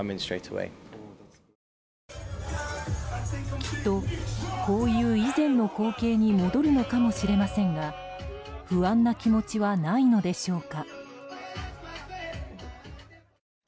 きっと、こういう以前の光景に戻るのかもしれませんが不安な気持ちはないのでしょうか。